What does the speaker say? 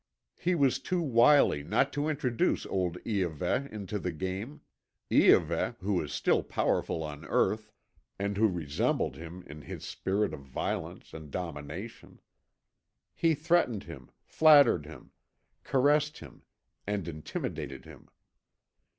He was too wily not to introduce old Iahveh into the game, Iahveh, who was still powerful on earth, and who resembled him in his spirit of violence and domination. He threatened him, flattered him, caressed him, and intimidated him.